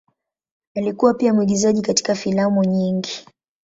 Alikuwa pia mwigizaji katika filamu nyingi.